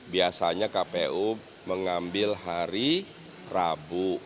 biasanya kpu mengambil hari rabu